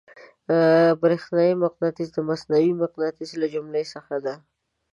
برېښنايي مقناطیس د مصنوعي مقناطیس له جملې څخه دی.